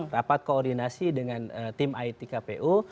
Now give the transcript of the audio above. rapat koordinasi dengan tim itkpu